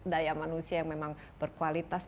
daya manusia yang memang berkualitas